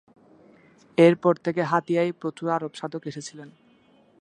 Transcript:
এর পর থেকে হাতিয়ায় প্রচুর আরব সাধক এসেছিলেন।